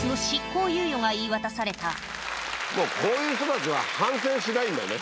もうこういう人たちは反省しないんだね。